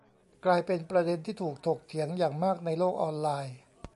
กลายเป็นประเด็นที่ถูกถกเถียงอย่างมากในโลกออนไลน์